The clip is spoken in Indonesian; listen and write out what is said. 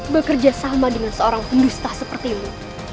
bekerja sama dengan seorang pembustah seperti mu